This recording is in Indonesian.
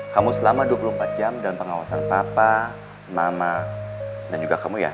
kamu selama dua puluh empat jam dalam pengawasan papa mama dan juga kamu ya